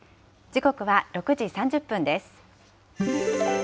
時刻は６時３０分です。